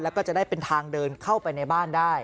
แล้วก็จะได้เป็นทางเดินเข้าไปในบ้านได้